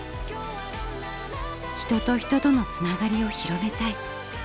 人と人のつながりを広めたい。